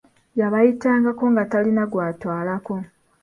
Yabayitanganko nga talina gw'atwalako.